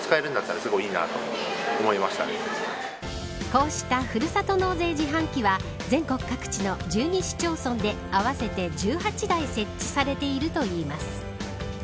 こうしたふるさと納税自販機は全国各地の１２市町村で合わせて１８台設置されているといいます。